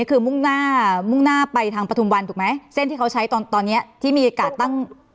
คือมุ่งหน้าไปทางปฐุมวันถูกไหมเส้นที่เขาใช้ตอนนี้ที่มีอากาศตั้ง